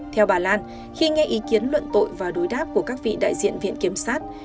theo bà lan khi nghe ý kiến luận tội và đối đáp của các vị đại diện viện kiểm sát